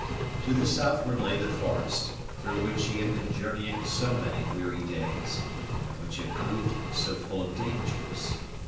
To the southward lay the forest, through which she had been journeying so many weary days, and which had proved so full of dangers.